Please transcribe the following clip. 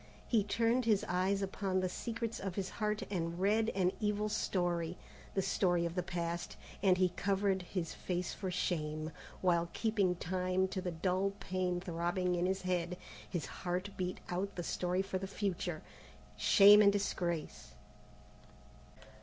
He turned his eyes upon the secrets of his heart, and read an evil story, the story of the past, and he covered his face for shame, while, keeping time to the dull pain throbbing in his head, his heart beat out the story for the future. Shame and disgrace.